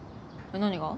何が？